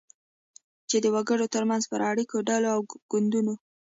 چی د وګړو ترمنځ پر اړیکو، ډلو او ګوندونو